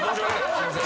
すいません。